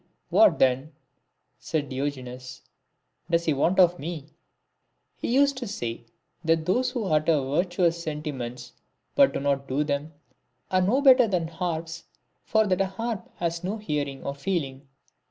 '•' What, then," said Diogenes, " does he want of me ?" He used to say, that those who utter virtuous senti ments but do not do them, are no better than harps, for that a harp has no hearing or feeling.